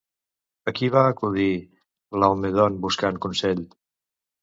A qui va acudir Laomedont buscant consell?